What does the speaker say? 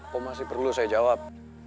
kok masih perlu saya jawab